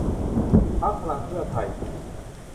พรรคพลังเพื่อไทย